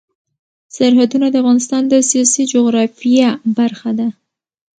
سرحدونه د افغانستان د سیاسي جغرافیه برخه ده.